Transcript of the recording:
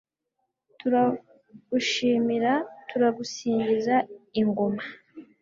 turagushimira, turagusingiza, ingoma